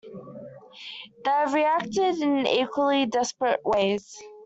They have reacted in equally desperate ways.